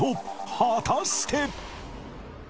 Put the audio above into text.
果たして？